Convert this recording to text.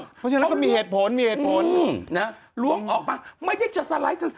ถูกต้องเพราะฉะนั้นมีเหตุผลนะครับลวงออกมาไม่ได้จะสลาย